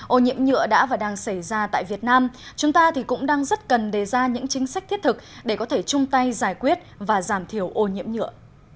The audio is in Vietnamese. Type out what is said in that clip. ô nhiễm nhựa đã và đang xảy ra tại việt nam chúng ta thì cũng đang rất cần đề ra những chính sách thiết thực để có thể chung tay giải quyết và giảm thiểu ô nhiễm nhựa